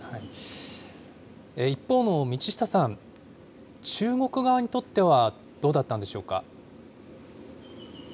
一方の道下さん、中国側にとってはどうだったんでしょうか。